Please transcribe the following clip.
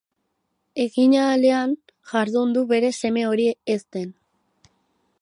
Eginahalean jardun du bere seme hori hezten.